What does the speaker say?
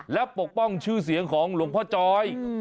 และปกป้องชื่อเสียงของหลวงพ่อจอย